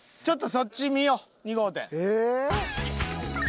ちょっとそっち見よう。